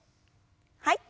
はい。